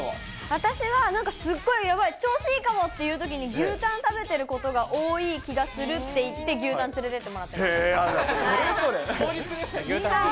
私は、すごいやばい、調子いいかもっていうとき、牛タン食べてることが多い気がするって言って、すごい、それぞれ。